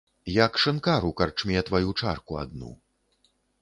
Як шынкар у карчме тваю чарку адну.